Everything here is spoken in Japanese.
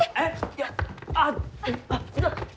いやああ！